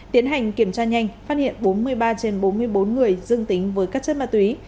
tiến hành kiểm tra nhanh phát hiện bốn mươi ba trên bốn mươi bốn người dương tính với các chất ma túy